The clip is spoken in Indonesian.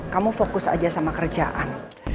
kamu fokus aja sama kerjaan